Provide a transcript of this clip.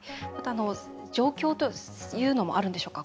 状況というのもあるんでしょうか？